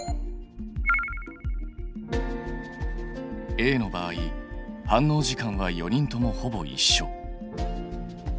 Ａの場合反応時間は４人ともほぼいっしょ。